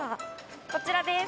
こちらです